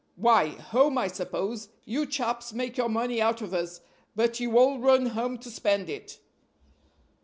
"Why, home, I suppose; you chaps make your money out of us, but you all run home to spend it."